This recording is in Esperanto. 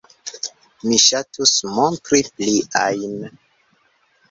Mi ŝatus montri pliajn.